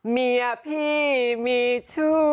เมียพี่มีชู้